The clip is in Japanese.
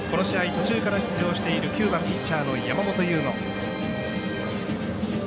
途中から出場している９番ピッチャーの山本由吾。